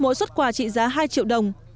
mỗi xuất quà trị giá hai triệu đồng